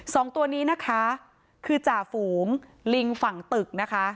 สองตัวนี้นะคะคือจ่าฝูงลิงฝั่งตึกนะคะ